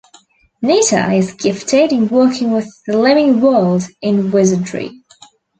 Nita is gifted in working with the "living world" in wizardry.